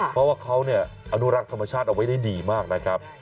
เพราะว่าเขาอนุรักษ์ธรรมชาติเอาไว้ได้ดีมากนะครับ